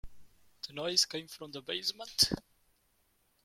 The noise came from the basement.